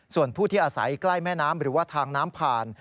ส่วนผู้ที่อาศัยใกล้แม่น้ำหรือว่าทางน้ำผ่าน